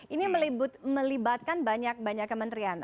ini melibatkan banyak banyak kementerian